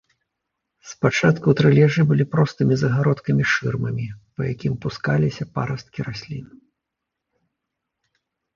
Спачатку трэльяжы былі простымі загародкамі-шырмамі, па якім пускаліся парасткі раслін.